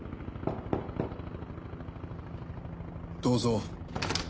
どうぞ。